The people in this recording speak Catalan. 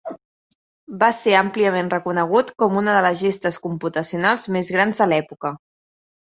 Va ser àmpliament reconegut com una de les gestes computacionals més grans de l'època.